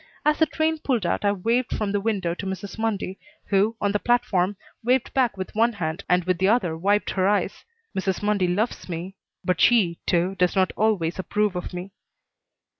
As the train pulled out I waved from the window to Mrs. Mundy, who, on the platform, waved back with one hand and with the other wiped her eyes. Mrs. Mundy loves me, but she, too, does not always approve of me.